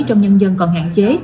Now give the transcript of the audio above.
trong nhân dân còn hạn chế